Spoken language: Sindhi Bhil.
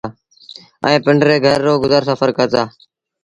ائيٚݩ پنڊري گھر رو گزر سڦر ڪرتآ